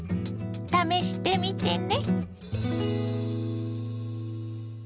試してみてね。